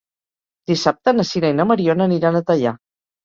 Dissabte na Sira i na Mariona aniran a Teià.